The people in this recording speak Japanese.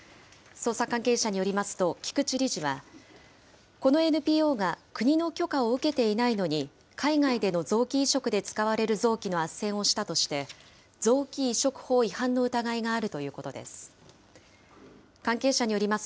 捜査関係者によりますと、菊池理事は、このＮＰＯが国の許可を受けていないのに、海外での臓器移植で使われる臓器のあっせんをしたとして、臓器移植法違反の疑いがあるということです。